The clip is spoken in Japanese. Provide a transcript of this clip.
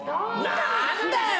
何だよ！